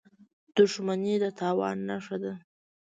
• دښمني د تاوان نښه ده.